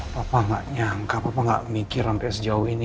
papa gak nyangka papa gak mikir sampai sejauh ini